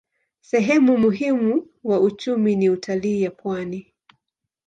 Sehemu muhimu wa uchumi ni utalii ya pwani.